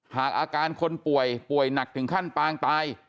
อาการคนป่วยป่วยหนักถึงขั้นปางตาย